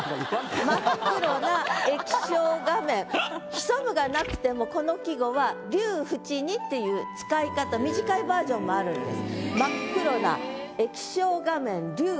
「潜む」がなくてもこの季語は「龍淵に」っていう使い方短いバージョンもあるんです。